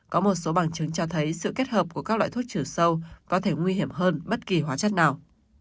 có một số bằng chứng cho thấy sự kết hợp của các loại thuốc trừ sâu có thể nguy hiểm hơn bất kỳ hóa chất nào